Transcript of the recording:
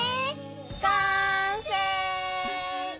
完成！